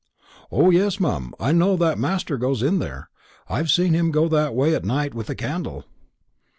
"O yes, mum; I know that master goes there. I've seen him go that way at night with a candle."